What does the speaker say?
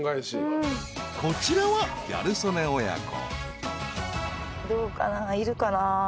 ［こちらはギャル曽根親子］